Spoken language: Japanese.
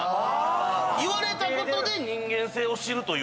言われたことで人間性を知るというか。